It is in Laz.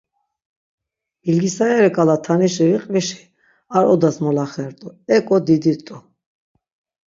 Bilgisayari k̆ala tanişi viqvişi ar odas molaxert̆u, ek̆o didi rt̆u.